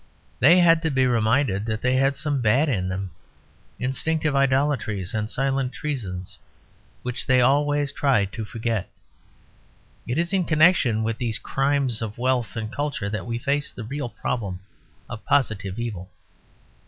They had to be reminded that they had some bad in them instinctive idolatries and silent treasons which they always tried to forget. It is in connection with these crimes of wealth and culture that we face the real problem of positive evil.